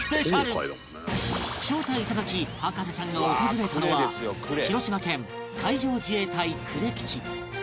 招待頂き博士ちゃんが訪れたのは広島県海上自衛隊呉基地